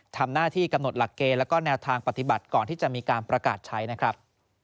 ทำหน้าที่กำหนดหลักเกณฑ์แล้วก็แนวทางปฏิบัติก่อนที่จะมีการประกาศใช้นะครับ